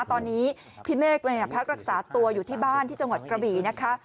ตอนนี้พี่เมฆพักรักษาตัวอยู่ที่บ้านที่จังหวัดกระบี่นะคะ